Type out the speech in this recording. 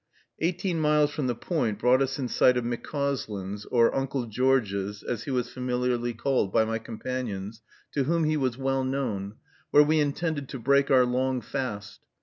Eighteen miles from the Point brought us in sight of McCauslin's, or "Uncle George's," as he was familiarly called by my companions, to whom he was well known, where we intended to break our long fast.